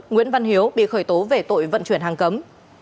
nguyễn văn hiếu bị khởi tố về tội vận chuyển hàng cấm